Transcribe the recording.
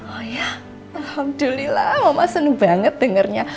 oh ya alhamdulillah mama seneng banget dengernya